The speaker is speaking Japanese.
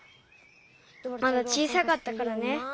まだ小さかったからね。